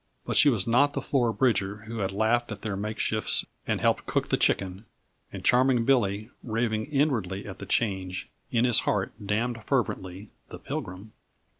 But she was not the Flora Bridger who had laughed at their makeshifts and helped cook the chicken, and Charming Billy, raving inwardly at the change, in his heart damned fervently the Pilgrim.